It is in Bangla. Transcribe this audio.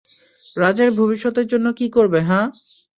রাজের ভবিষ্যতের জন্যে কী করবে, হা?